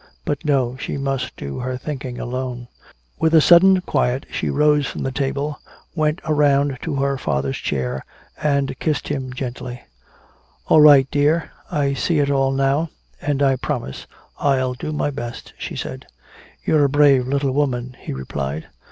But no, she must do her thinking alone. With a sudden quiet she rose from the table, went around to her father's chair and kissed him very gently. "All right, dear I see it all now and I promise I'll try my best," she said. "You're a brave little woman," he replied.